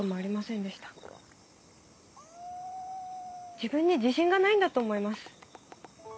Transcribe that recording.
自分に自信がないんだと思います。